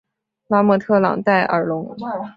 拉莫特朗代尔龙。